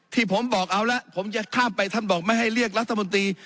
ที่ผมบอกเอาแล้วผมจะข้ามไปท่านบอกไม่ให้เรียกรัฐมนตรี